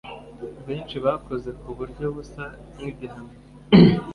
benshi bakoze ku buryo busa nk ‘igihano